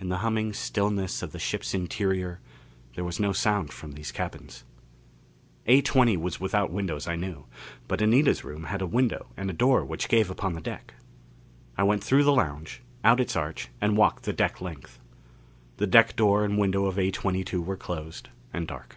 In the humming stillness of the ship's interior there was no sound from these cabins. A20 was without windows, I knew. But Anita's room had a window and a door which gave upon the deck. I went through the lounge, out its arch and walked the deck length. The deck door and window of A22 were closed and dark.